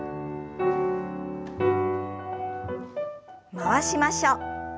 回しましょう。